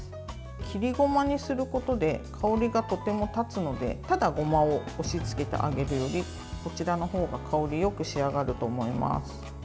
切りごまにすることで香りがとても立つのでただ、ごまを押しつけて揚げるより、こちらの方が香りよく仕上がると思います。